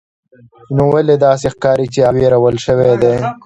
نو ولې داسې ښکاري چې هغه ویرول شوی دی